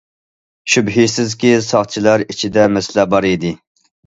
شۈبھىسىزكى، ساقچىلار ئىچىدە مەسىلە بار ئىدى.